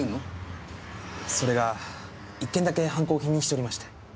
それが１件だけ犯行を否認しておりまして。